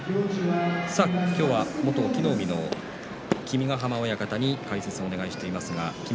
今日は元隠岐の海の君ヶ濱親方に解説をお願いしています。